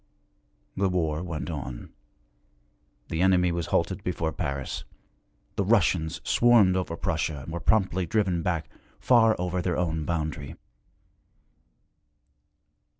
The war went on. The enemy was halted before Paris; the Russians swarmed over Prussia and were promptly driven back, far over their own boundary.